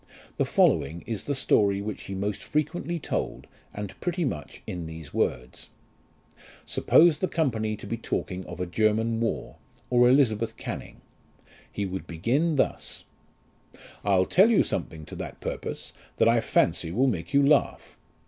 The following is the story which he most frequently told, and pretty much in these words. Suppose the company to be talking of a German war, or Elizabeth Canning, he would begin thus :'' I'll tell you something to that purpose, that I fancy will make you laugh.